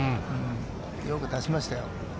よく出しましたよ。